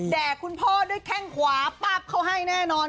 คุณพ่อด้วยแข้งขวาปั๊บเขาให้แน่นอน